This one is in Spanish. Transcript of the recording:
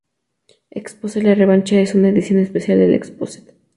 Exposed: La Revancha es una edición especial de "Exposed".